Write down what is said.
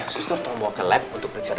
sustur tunggu bawa ke lab untuk periksadara